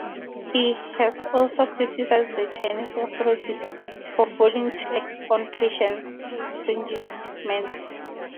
He has also criticised the Chinese authorities for failing to act on patent infringements.